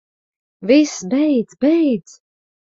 Viss, beidz. Beidz.